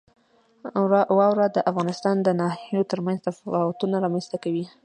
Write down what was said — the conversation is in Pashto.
واوره د افغانستان د ناحیو ترمنځ تفاوتونه رامنځ ته کوي.